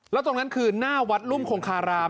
แล้วตรงนั้นคือหน้าวัดรุ่มคงคาราม